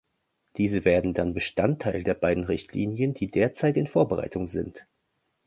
Diese werden dann Bestandteil der beiden Richtlinien, die derzeit in Vorbereitung sind.